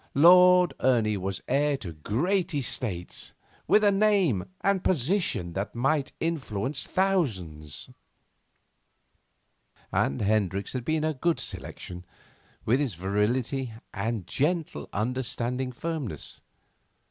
Lord Ernie was heir to great estates, with a name and position that might influence thousands. And Hendricks had been a good selection, with his virility and gentle, understanding firmness.